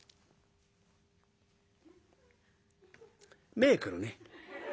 「目ぇくるね。